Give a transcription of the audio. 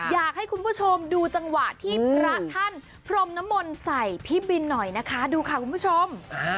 อยากให้คุณผู้ชมดูจังหวะที่พระท่านพรมน้ำมนต์ใส่พี่บินหน่อยนะคะดูค่ะคุณผู้ชม